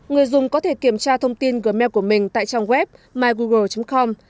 người dùng có thể kiểm tra thông tin gmail của mình tại trang web mygoogle com